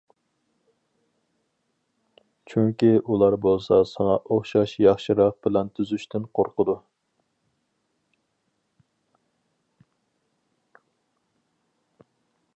-چۈنكى ئۇلار بولسا ساڭا ئوخشاش ياخشىراق پىلان تۈزۈشتىن قورقىدۇ.